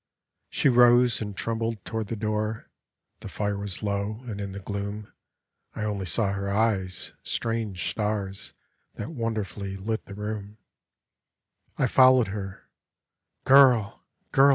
She rose, and trembled toward the door ; The fire was low, and in the gloom I only saw her eyes — strange stars That wonderfully lit the room. I followed her. " Girl! girl!